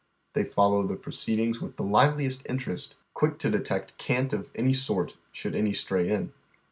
They follow the proceedings with the liveliest interest, quick to detect cant of any sort, shonld any stray in.